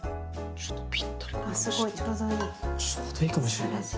ちょうどいいかもしれない。